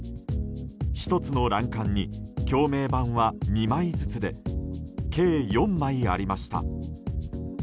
１つの欄干に橋名板は２枚ずつで計４枚ありました。